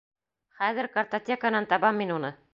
Хәҙер картотеканан табам мин уны!